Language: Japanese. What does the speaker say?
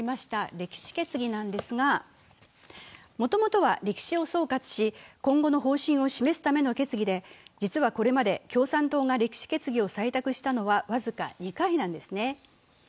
歴史決議なんですがもともとは歴史を総括し、今後の方針を示すための決議で、実は、これまで共産党が歴史決議を採択したのは僅か２回なんですね。